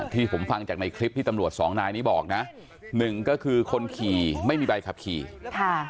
ที่ผมฟังจากในคลิปที่ตำรวจสองนายนี้บอกนะหนึ่งก็คือคนขี่ไม่มีใบขับขี่ค่ะ